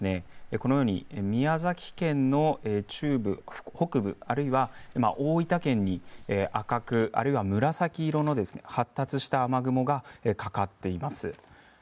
このように宮崎県の中部北部、あるいは大分県に赤くあるいは紫色の発達した雨雲がかかっています。